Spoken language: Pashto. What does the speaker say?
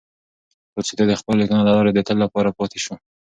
تولستوی د خپلو لیکنو له لارې د تل لپاره پاتې شو.